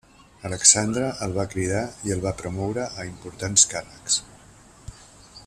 Alexandre el va cridar i el va promoure a importants càrrecs.